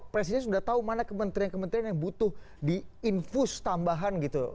presiden sudah tahu mana kementerian kementerian yang butuh di infus tambahan gitu